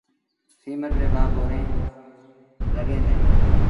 سيٚمٽ ريٚݩ ٻآ ٻوريٚݩ لڳيٚن ديٚݩ۔